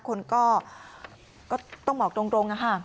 คนก็ต้องเหมาะตรงนะคะ